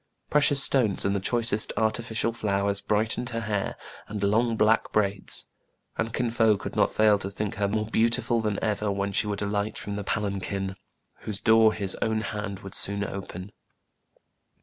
Precious stones and the choicest artificial flowers brightened her hair and long black braids ; and Kin Fo could not fail to think her more beautiful than ever when she would 'alight from the palanquin, whose door his own hand would soon open.